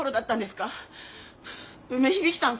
梅響さん